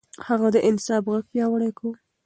هغه د انصاف غږ پياوړی کړ.